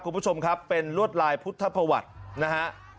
คุณผู้ชมครับเป็นลวดลายพุทธประวัตินะฮะ